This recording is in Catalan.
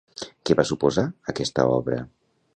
Què va suposar aquesta obra?